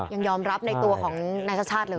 ยังยอมรับในตัวของนัศชาติหรือ